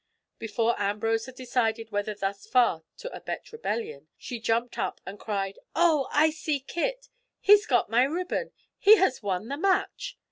Before Ambrose had decided whether thus far to abet rebellion, she jumped up and cried: "Oh, I see Kit! He's got my ribbon! He has won the match!"